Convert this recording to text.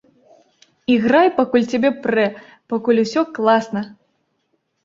Іграй, пакуль цябе прэ, пакуль усё класна!